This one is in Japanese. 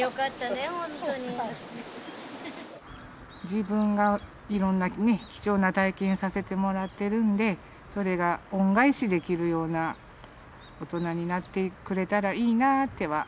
自分がいろんなね貴重な体験をさせてもらっているのでそれが恩返しできるような大人になってくれたらいいなとは。